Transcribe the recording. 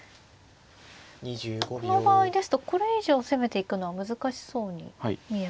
この場合ですとこれ以上攻めていくのは難しそうに見えますね。